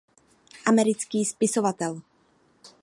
Americký spisovatel.